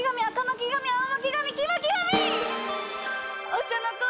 お茶の子